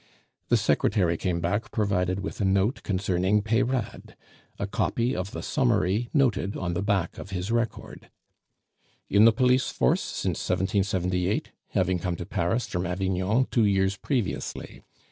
The secretary came back provided with a note concerning Peyrade, a copy of the summary noted on the back of his record: "In the police force since 1778, having come to Paris from Avignon two years previously.